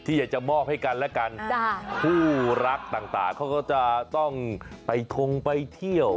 อยากจะมอบให้กันและกันคู่รักต่างเขาก็จะต้องไปทงไปเที่ยว